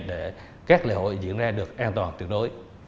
để các lễ hội diễn ra được an toàn tuyệt đối